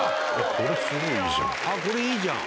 これすげえいいじゃん！